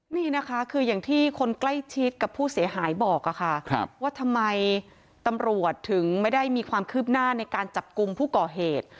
นี่นะคะคืออย่างที่คนใกล้ชิดกับผู้เสียหายบอกค่ะว่าทำไมตำรวจถึงไม่ได้มีความคืบหน้าในการจับกลุ่มผู้ก่อเหตุ